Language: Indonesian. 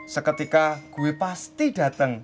seketika gue pasti dateng